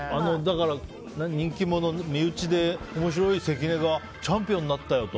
身内で面白い関根がチャンピオンになったよと。